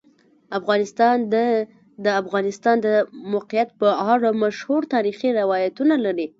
افغانستان د د افغانستان د موقعیت په اړه مشهور تاریخی روایتونه لري.